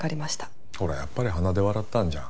ほらやっぱり鼻で笑ったんじゃん。